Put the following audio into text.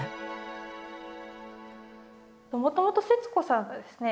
もともと節子さんがですね